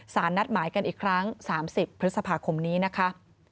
นัดหมายกันอีกครั้ง๓๐พฤษภาคมนี้นะคะ